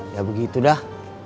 ya begitu dah